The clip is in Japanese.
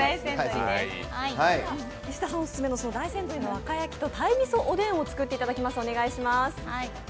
石田さんおすすめの大山どりのわかやきと鯛味噌のおでんを作っていただきます。